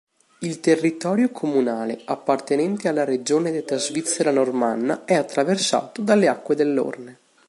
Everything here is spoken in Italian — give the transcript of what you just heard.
Il territorio comunale, appartenente alla regione detta Svizzera normanna, è attraversato dalle acque dell'Orne.